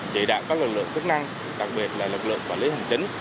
chỉ đạo các lực lượng chức năng đặc biệt là lực lượng quản lý hành chính